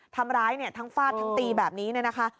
ทำร้ายเนี่ยทั้งฟาดทั้งตีแบบนี้เนี่ยนะคะ